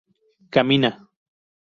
camina